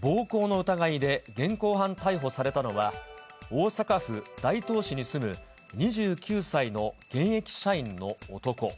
暴行の疑いで現行犯逮捕されたのは、大阪府大東市に住む２９歳の現役社員の男。